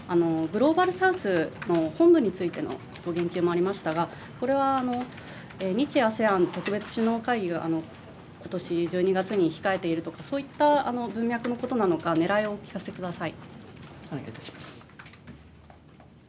また併せて、グローバル・サウスの本部についてのご言及もありましたが、これは日ＡＳＥＡＮ特別首脳会議がことし１２月に控えているとか、そういった文脈のことなのか、ねらいをお聞かせください。